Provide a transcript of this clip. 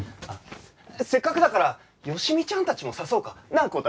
あっせっかくだから好美ちゃんたちも誘おうか！なあ？